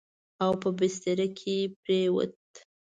او په بستره کې پرېووت.